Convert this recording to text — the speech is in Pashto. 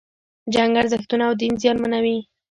جنگ ارزښتونه او دین زیانمنوي.